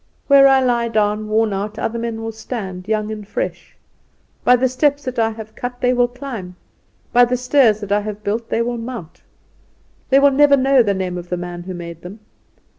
Where I lie down worn out other men will stand, young and fresh. By the steps that I have cut they will climb; by the stairs that I have built they will mount. They will never know the name of the man who made them.